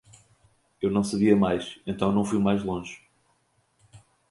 Eu não sabia mais, então não fui mais longe.